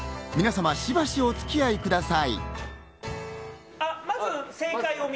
皆様、しばしお付き合いください。